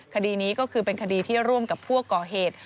คดีนี้ก็คือเป็นคดีที่ร่วมกับผู้ก่อเหตุ